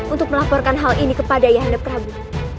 untuk melaporkan hal ini kepada ayahanda prabu